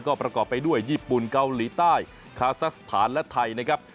ก็ประกอบไปด้วยญี่ปุ่นเกาหลีใต้คาซักสถานและไทยนะครับ